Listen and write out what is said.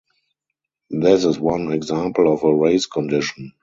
This is one example of a race condition.